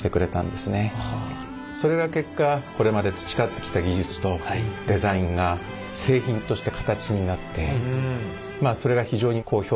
それが結果これまで培ってきた技術とデザインが製品として形になってまあそれが非常に好評な評判を呼んでですね